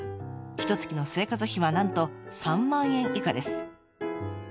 ひとつきの生活費はなんと３万円以下です。